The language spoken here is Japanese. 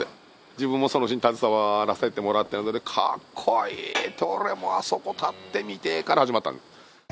自分もその牛に携わらせてもらってるので「かっこいい！俺もあそこ立ってみてえ」から始まったんです。